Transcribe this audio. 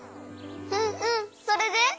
うんうんそれで？